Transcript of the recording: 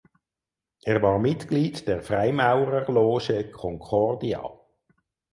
Er war Mitglied der Freimaurerloge "Concordia".